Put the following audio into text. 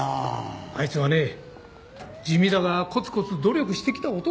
あいつはね地味だがコツコツ努力してきた男なんだよ。